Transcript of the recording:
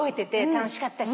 楽しかったし。